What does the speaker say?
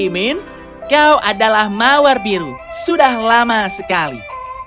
putri min kau adalah mawar biru sudah lama sekali